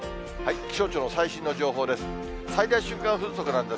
気象庁の最新の情報です。